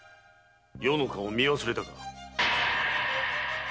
余の顔を見忘れたか？